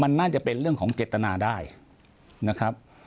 มันน่าจะเป็นเรื่องของเจตนาได้นะครับ